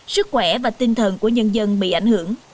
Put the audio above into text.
sức khỏe và tinh thần của nhân dân bị ảnh hưởng